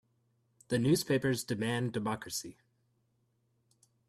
The newspapers demanded democracy.